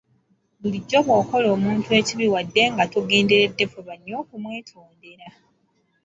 Bulijjo bw’okola omuntu ekibi wadde nga togenderedde fuba nnyo okumwetondera.